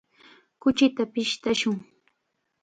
Kuchita pishtashun.